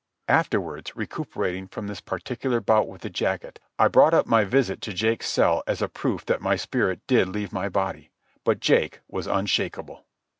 Afterwards, recuperating from this particular bout with the jacket, I brought up my visit to Jake's cell as a proof that my spirit did leave my body. But Jake was unshakable.